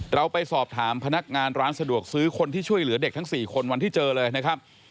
เราไปสอบถามพนักงานร้านสะดวกซื้อคนที่ช่วยเหลือเด็กทั้ง๔คนวันที่เจอเลยนะครับ